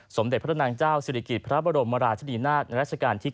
สมเด็จพระนางเจ้าศิริกิจพระบรมราชนีนาฏในราชการที่๙